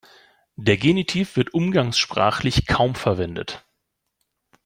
Der Genitiv wird umgangssprachlich kaum verwendet.